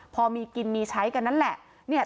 พอมีกินมีใช้กันนั่นแหละ